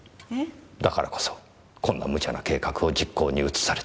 だからこそこんな無茶な計画を実行に移された。